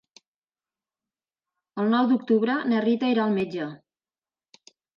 El nou d'octubre na Rita irà al metge.